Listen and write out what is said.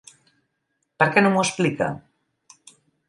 Per què no m'ho explica?